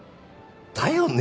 だよね！